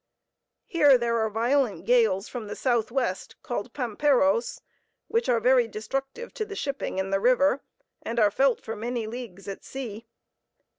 Here there are violent gales from the southwest called Pamperos, which are very destructive to the shipping in the river, and are felt for many leagues at sea.